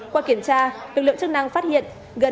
qua kiểm tra lực lượng chức năng phát hiện